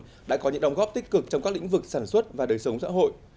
đã có những đóng góp tích cực trong các lĩnh vực sản xuất và đời sống xã hội